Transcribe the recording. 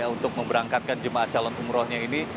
untuk memberangkatkan jemaah calon umrohnya ini